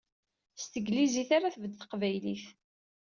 S teglizit ara tbedd teqbaylit!